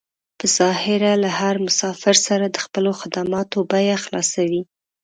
په ظاهره له هر مسافر سره د خپلو خدماتو بيه خلاصوي.